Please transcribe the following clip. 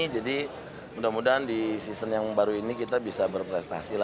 jadi mudah mudahan di season yang baru ini kita bisa berprestasi